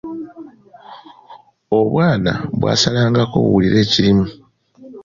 Obwana bwasalangako buwulire ekirimu.